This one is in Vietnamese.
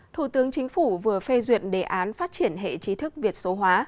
thủ tướng chính phủ vừa phê duyệt đề án phát triển hệ trí thức việt số hóa